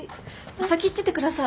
先行っててください。